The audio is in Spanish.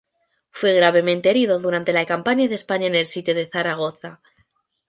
Fue gravemente herido durante la campaña de España, en el sitio de Zaragoza.